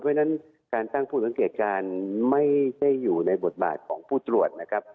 เพราะฉะนั้นการตั้งผู้สังเกตการไม่ได้อยู่ในบทบาทของผู้ตรวจนะครับ